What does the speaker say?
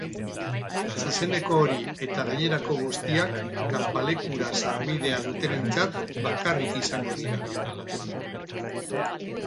Zuzeneko hori eta gainerako guztiak kanpalekura sarbidea dutenentzat bakarrik izango dira.